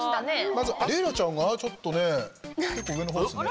まずレイラちゃんがちょっとね結構上のほうですね。